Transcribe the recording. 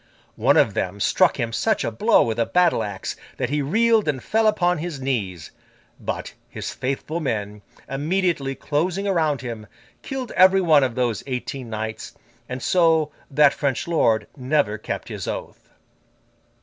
One of them struck him such a blow with a battle axe that he reeled and fell upon his knees; but, his faithful men, immediately closing round him, killed every one of those eighteen knights, and so that French lord never kept his oath.